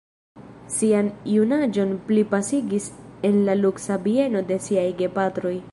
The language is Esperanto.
Sian junaĝon li pasigis en la luksa bieno de siaj gepatroj.